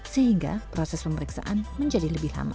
sehingga proses pemeriksaan menjadi lebih lama